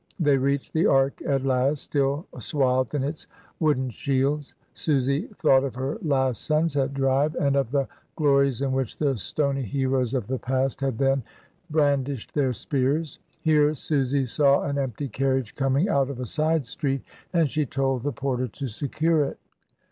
They reached the Arc at last, still swathed in its wooden shields. Susy thought of her last sunset drive, and of the glories in which the stony heroes of the past had then brandished their spears. Here Susy saw an empty carriage coming out of a side street, and she told the porter to secure it.